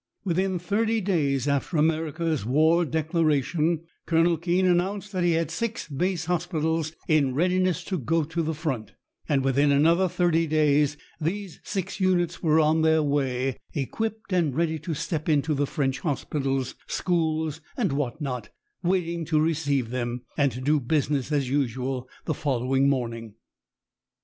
Within thirty days after America's war declaration Colonel Kean announced that he had six base hospitals in readiness to go to the front, and within another thirty days these six units were on their way, equipped and ready to step into the French hospitals, schools, and what not, waiting to receive them, and to do business as usual the following morning.